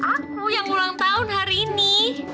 aku yang ulang tahun hari ini